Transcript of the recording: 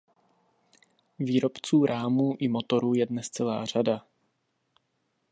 Výrobců rámů i motorů je dnes celá řada.